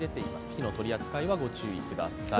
火の取り扱いはご注意ください。